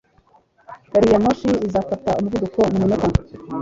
Gariyamoshi izafata umuvuduko mu minota.